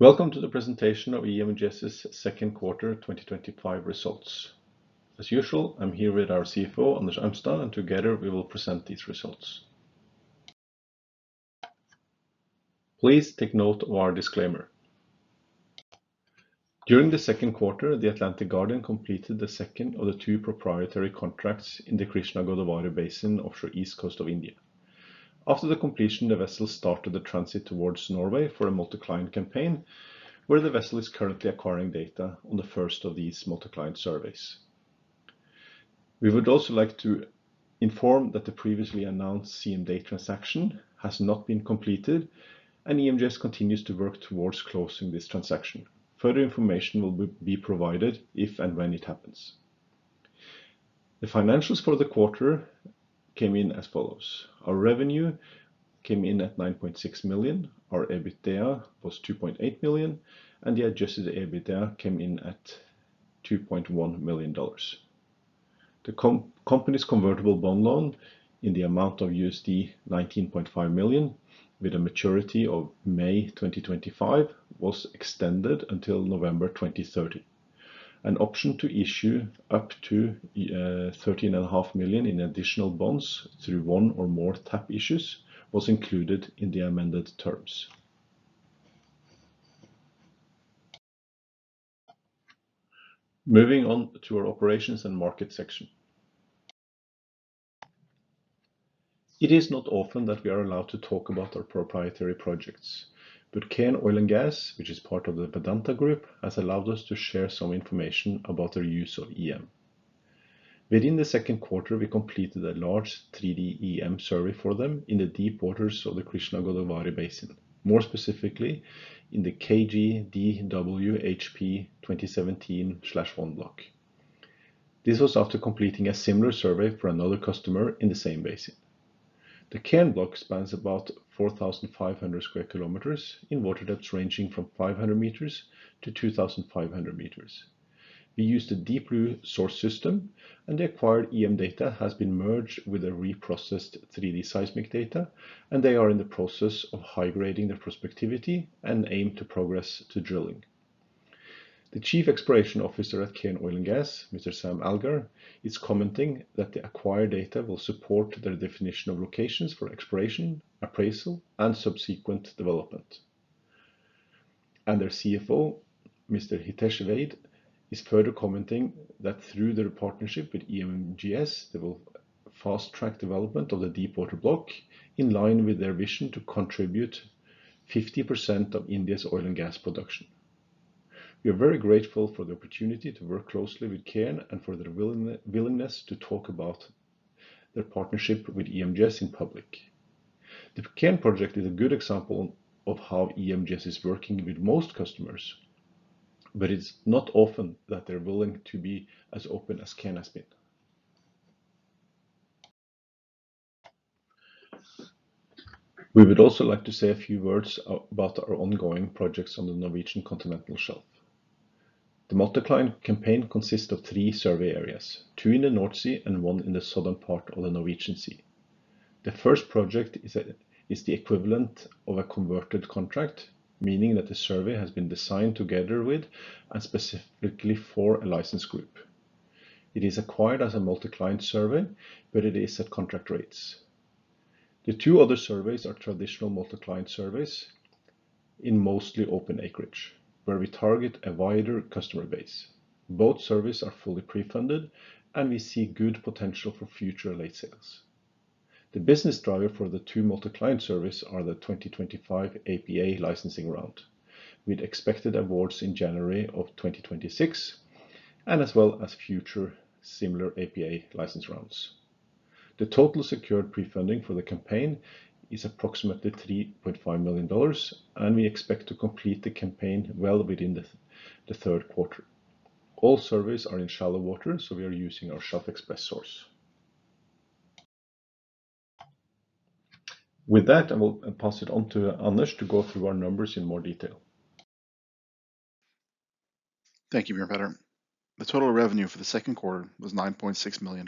Welcome to the presentation of EMGS's Second Quarter 2025 Results. As usual, I'm here with our CFO, Anders Eimstad, and together we will present these results. Please take note of our disclaimer. During the second quarter, the Atlantic Guardian completed the second of the two proprietary contracts in the Krishna Godavari Basin off the East Coast of India. After the completion, the vessel started the transit towards Norway for a multi-client campaign, where the vessel is currently acquiring data on the first of these multi-client surveys. We would also like to inform that the previously announced CMD transaction has not been completed, and EMGS continues to work towards closing this transaction. Further information will be provided if and when it happens. The financials for the quarter came in as follows. Our revenue came in at $9.6 million, our EBITDA was $2.8 million, and the adjusted EBITDA came in at $2.1 million. The company's convertible bond loan in the amount of $19.5 million, with a maturity of May 2025, was extended until November 2030. An option to issue up to $13.5 million in additional bonds through one or more TAP issues was included in the amended terms. Moving on to our operations and market section. It is not often that we are allowed to talk about our proprietary projects, but Cairn Oil and Gas, which is part of the Vedanta Group, has allowed us to share some information about their use of EM. Within the second quarter, we completed a large 3D EM survey for them in the deep waters of the Krishna Godavari Basin, more specifically in the KGDWHP 2017/1 block. This was after completing a similar survey for another customer in the same basin. The Cairn block spans about 4,500 square kilom in water depths ranging from 500 m to 2,500 m. We used a deep blue source system, and the acquired EM data has been merged with the reprocessed 3D seismic data, and they are in the process of high grading their prospectivity and aim to progress to drilling. The Chief Exploration Officer at Cairn Oil and Gas, Mr. Sam Algar, is commenting that the acquired data will support their definition of locations for exploration, appraisal, and subsequent development. Their CFO, Mr. Hitesh Vaid, is further commenting that through their partnership with EMGS, they will fast-track development of the deep water block in line with their vision to contribute 50% of India's oil and gas production. We are very grateful for the opportunity to work closely with Cairn Oil and Gas and for their willingness to talk about their partnership with EMGS in public. The Cairn Oil and Gas project is a good example of how EMGS is working with most customers, but it's not often that they're willing to be as open as Cairn has been. We would also like to say a few words about our ongoing projects on the Norwegian continental shelf. The multi-client campaign consists of three survey areas, two in the North Sea and one in the southern Norwegian Sea. The first project is the equivalent of a converted contract, meaning that the survey has been designed together with and specifically for a licensed group. It is acquired as a multi-client survey, but it is at contract rates. The two other surveys are traditional multi-client surveys in mostly open acreage, where we target a wider customer base. Both surveys are fully pre-funded, and we see good potential for future late sales. The business driver for the two multi-client surveys are the 2025 APA licensing round, with expected awards in January 2026, as well as future similar APA license rounds. The total secured pre-funding for the campaign is approximately $3.5 million, and we expect to complete the campaign well within the third quarter. All surveys are in shallow water, so we are using our self-express source. With that, I will pass it on to Anders to go through our numbers in more detail. Thank you, Mr. Petter. The total revenue for the second quarter was $9.6 million.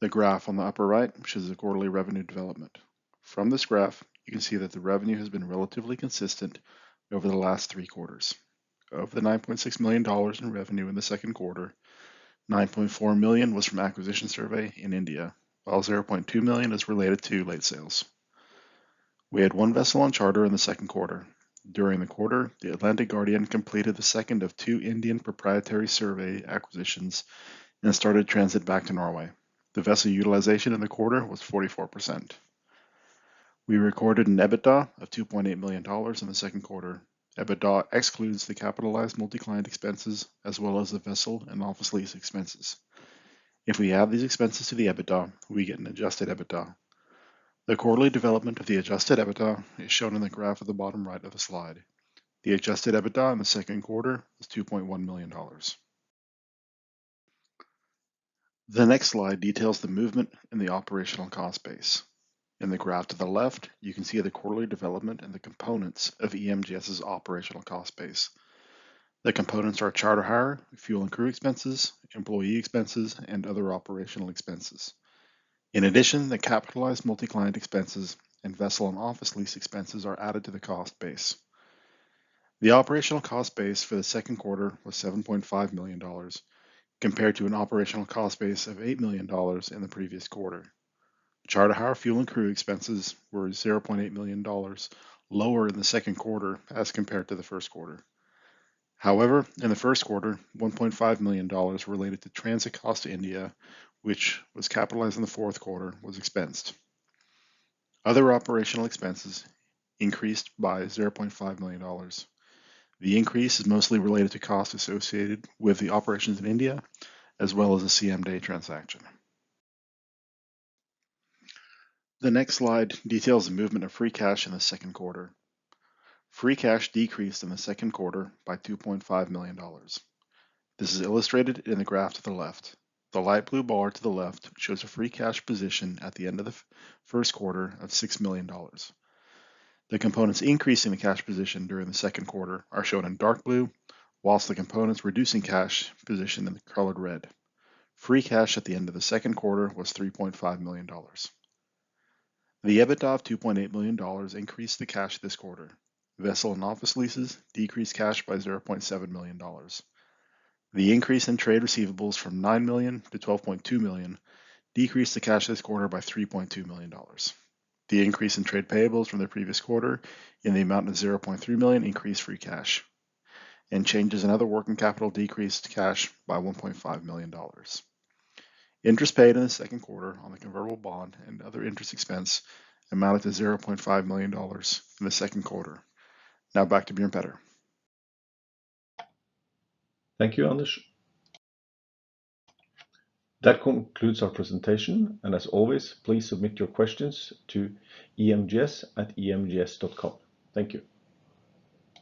The graph on the upper right shows the quarterly revenue development. From this graph, you can see that the revenue has been relatively consistent over the last three quarters. Of the $9.6 million in revenue in the second quarter, $9.4 million was from acquisition survey in India, while $0.2 million is related to late sales. We had one vessel on charter in the second quarter. During the quarter, the Atlantic Guardian completed the second of two Indian proprietary survey acquisitions and started transit back to Norway. The vessel utilization in the quarter was 44%. We recorded an EBITDA of $2.8 million in the second quarter. EBITDA excludes the capitalized multi-client expenses as well as the vessel and office lease expenses. If we add these expenses to the EBITDA, we get an adjusted EBITDA. The quarterly development of the adjusted EBITDA is shown in the graph at the bottom right of the slide. The adjusted EBITDA in the second quarter was $2.1 million. The next slide details the movement in the operational cost base. In the graph to the left, you can see the quarterly development and the components of EMGS's operational cost base. The components are charter hire, fuel and crew expenses, employee expenses, and other operational expenses. In addition, the capitalized multi-client expenses and vessel and office lease expenses are added to the cost base. The operational cost base for the second quarter was $7.5 million compared to an operational cost base of $8 million in the previous quarter. The charter hire, fuel, and crew expenses were $0.8 million lower in the second quarter as compared to the first quarter. However, in the first quarter, $1.5 million related to transit cost to India, which was capitalized in the fourth quarter, was expensed. Other operational expenses increased by $0.5 million. The increase is mostly related to costs associated with the operations in India, as well as the CMDA transaction. The next slide details the movement of free cash in the second quarter. Free cash decreased in the second quarter by $2.5 million. This is illustrated in the graph to the left. The light blue bar to the left shows a free cash position at the end of the first quarter of $6 million. The components increasing the cash position during the second quarter are shown in dark blue, whilst the components reducing cash position in the colored red. Free cash at the end of the second quarter was $3.5 million. The EBITDA of $2.8 million increased the cash this quarter. Vessel and office leases decreased cash by $0.7 million. The increase in trade receivables from $9 million to $12.2 million decreased the cash this quarter by $3.2 million. The increase in trade payables from the previous quarter in the amount of $0.3 million increased free cash. Changes in other working capital decreased cash by $1.5 million. Interest paid in the second quarter on the convertible bond and other interest expense amounted to $0.5 million in the second quarter. Now back to Bjørn Petter. Thank you, Anders. That concludes our presentation, and as always, please submit your questions to emgs@emgs.com. Thank you.